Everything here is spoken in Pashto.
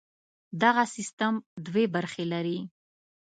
دغه سیستم دوې برخې لري.